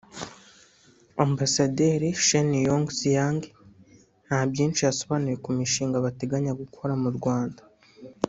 Ambasaderi Shen Yong-Xiang nta byinshi yasobanuye ku mishinga bateganya gukora mu Rwanda